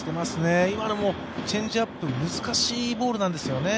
今のも、チェンジアップ、難しいボールなんですよね。